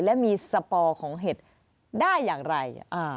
และมีสปอร์ของเห็ดได้อย่างไร